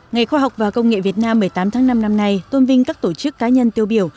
ngày khoa học và công nghệ việt nam một mươi tám tháng năm năm nay tôn vinh các tổ chức cá nhân tiêu biểu